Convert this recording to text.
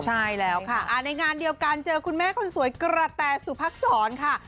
ใช่แล้วค่ะในงานเดียวกันเจอคุณแม่คนสวยกระแตสุพักษรค่ะ